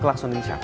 klakson ini siapa